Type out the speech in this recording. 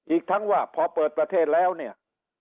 อีกทั้งว่าพอเปิดประเทศแล้วเนี่ย